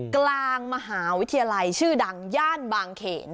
กลางมหาวิทยาลัยชื่อดังย่านบางเขน